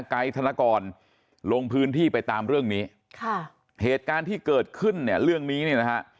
คุณธนกรลงพื้นที่ไปตามเรื่องนี้เหตุการณ์ที่เกิดขึ้นเรื่องนี้นะครับ